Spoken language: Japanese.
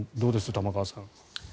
玉川さん。